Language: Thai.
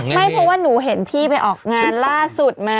ไม่เพราะว่าหนูเห็นพี่ไปออกงานล่าสุดมา